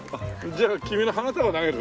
じゃあ君の花束投げる？